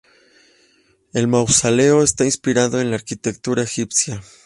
El mausoleo está inspirado en la arquitectura egipcia.